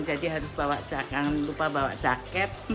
jadi harus lupa bawa jaket